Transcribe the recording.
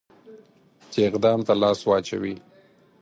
چې اقدام ته لاس واچوي.